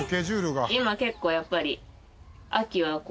今結構やっぱり。